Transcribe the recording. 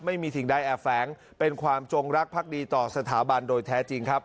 ไม่มีสิ่งใดแอบแฝงเป็นความจงรักภักดีต่อสถาบันโดยแท้จริงครับ